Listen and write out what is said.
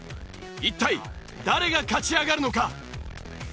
一体誰が勝ち上がるのか？